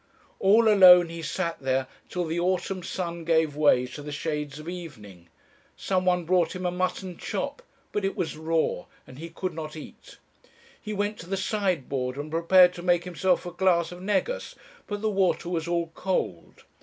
"All alone he sat there till the autumn sun gave way to the shades of evening. Some one brought him a mutton chop, but it was raw and he could not eat; he went to the sideboard and prepared to make himself a glass of negus, but the water was all cold.